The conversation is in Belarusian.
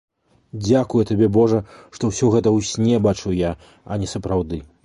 Дзякую табе, божа, што ўсё гэта ў сне бачыў я, а не сапраўды.